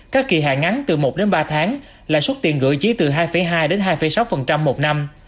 các kỳ hạn ngắn từ một đến ba tháng lãi suất tiền gửi chỉ từ hai hai đến hai sáu một năm